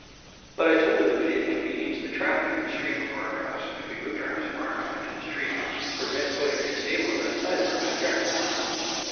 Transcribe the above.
"But I told her it would inconvenience the traffic on the street before our house if we moved our house far enough into the street to permit putting a stable of that size in our backyard."